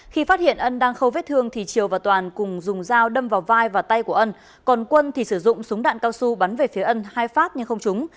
khi phát hiện ân đang khâu vết thương thì triều và toàn cùng dùng dao đâm vào vai và tay của ân còn quân thì sử dụng súng đạn cao su bắn về phía ân hai phát nhưng không trúng